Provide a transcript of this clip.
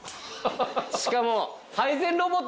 しかも。